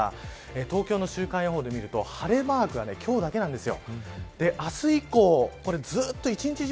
東京の週間予報で見ると晴れマーク、今日だけなんです。